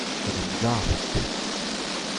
en em garout.